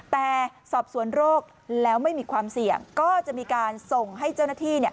แต่สอบสวนโรคแล้วไม่มีความเสี่ยงก็จะมีการส่งให้เจ้าหน้าที่